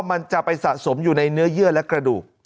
มันจะไปสะสมอยู่ในเนื้อเยื่อและกระดูก